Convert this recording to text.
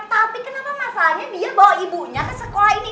tapi kenapa masalahnya dia bawa ibunya ke sekolah ini